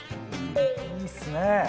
いいっすね！